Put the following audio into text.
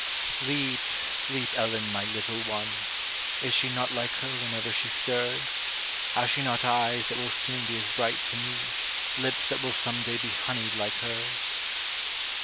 Sleep, sleep, Ellen, my little one! Is she not like her whenever she stirs? Has she not eyes that will soon be as bright to me, Lips that will some day be honeyed like hers?